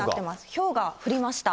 ひょうが降りました。